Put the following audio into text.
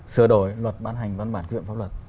sửa đổi luật ban hành văn bản quyền pháp luật